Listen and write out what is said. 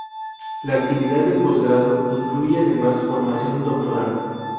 La actividad de postgrado incluye, además, formación doctoral.